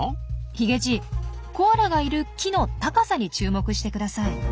ヒゲじいコアラがいる木の高さに注目してください。